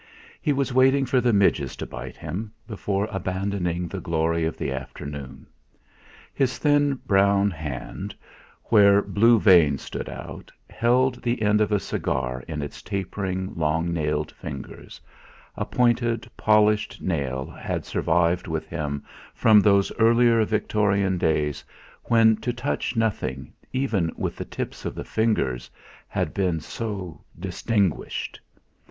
He was waiting for the midges to bite him, before abandoning the glory of the afternoon. His thin brown hand, where blue veins stood out, held the end of a cigar in its tapering, long nailed fingers a pointed polished nail had survived with him from those earlier Victorian days when to touch nothing, even with the tips of the fingers, had been so distinguished.